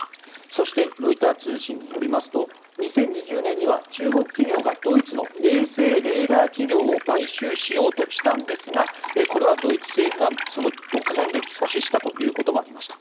そしてロイター通信によりますと２０２０年には中国企業がドイツの衛星・レーダー企業を買収しようとしたんですがこれはドイツ政府がその目前で阻止したということもありました。